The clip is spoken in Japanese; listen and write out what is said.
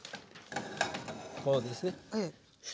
こうですね。